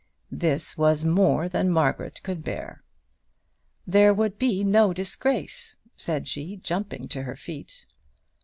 This was more than Margaret could bear. "There would be no disgrace," said she, jumping to her feet.